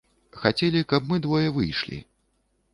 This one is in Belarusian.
Хацелі, каб мы двое выйшлі.